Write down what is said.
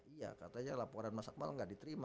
iya katanya laporan mas akmal gak diterima